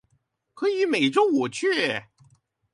可以每週五去